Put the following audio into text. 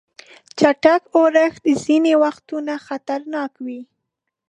چټک اورښت ځینې وختونه خطرناک وي.